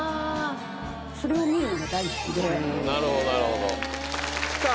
それを見るのが大好きでさあ